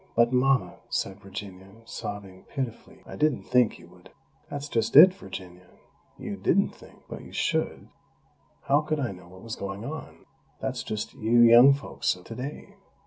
"But, Mama," said Virginia, sobbing pitifully, "I didn't think you would " "That's just it, Virginia, you didn't think!! But you should! How could I know what was going on? That's just you young folks of today.